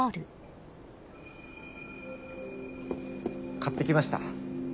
買って来ました。